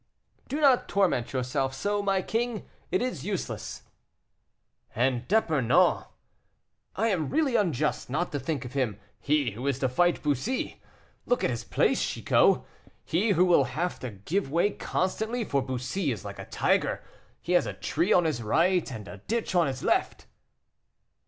"Do not torment yourself so, my king, it is useless." "And D'Epernon; I am really unjust not to think of him; he, who is to fight Bussy. Look at his place, Chicot, he who will have to give way constantly, for Bussy is like a tiger, he has a tree on his right and a ditch on his left."